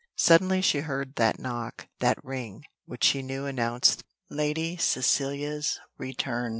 Suddenly she heard that knock, that ring, which she knew announced Lady Cecilia's return.